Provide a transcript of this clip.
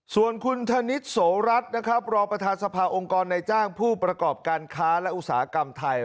ส่วนคุณธนิษฐโสรัตน์นะครับรองประธานสภาองค์กรในจ้างผู้ประกอบการค้าและอุตสาหกรรมไทย